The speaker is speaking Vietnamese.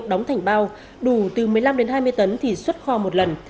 đóng thành bao đủ từ một mươi năm đến hai mươi tấn thì xuất kho một lần